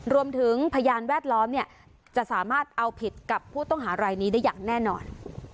พยานแวดล้อมเนี่ยจะสามารถเอาผิดกับผู้ต้องหารายนี้ได้อย่างแน่นอน